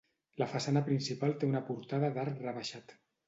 La façana principal té una portada d'arc rebaixat.